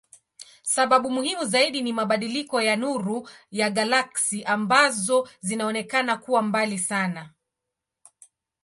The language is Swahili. Sababu muhimu zaidi ni mabadiliko ya nuru ya galaksi ambazo zinaonekana kuwa mbali sana.